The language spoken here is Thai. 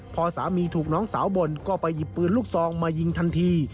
พอสามีถูกน้องสาวบ่นก็ไปหยิบปืนลูกซองมายิงทันที